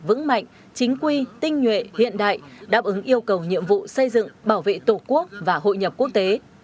vững mạnh chính quy tinh nhuệ hiện đại đáp ứng yêu cầu nhiệm vụ xây dựng bảo vệ tổ quốc và hội nhập quốc tế